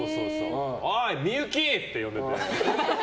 おい、ミユキ！って呼んでて。